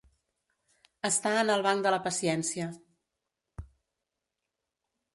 Estar en el banc de la paciència.